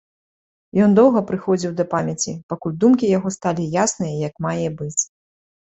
Ён доўга прыходзіў да памяці, пакуль думкі яго сталі ясныя як мае быць.